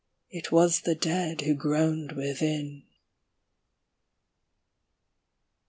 It was the dead who groaned within.